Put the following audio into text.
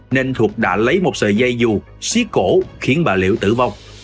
nên thuộc đã lấy một sợi dây dù xí cổ khiến bà liễu tử vong